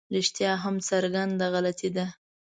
رښتیا هم څرګنده غلطي ده.